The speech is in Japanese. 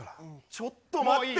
ちょっと待ってよ。